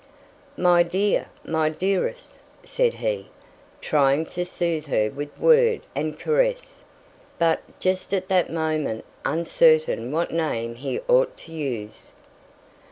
"My dear my dearest," said he, trying to soothe her with word and caress; but, just at the moment, uncertain what name he ought to use.